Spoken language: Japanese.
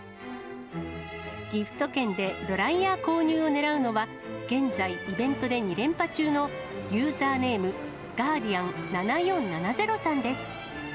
ギフト券でドライヤー購入をねらうのは、現在イベントで２連覇中のユーザーネーム、ガーディアン７４７０さんです。